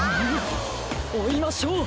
おいましょう！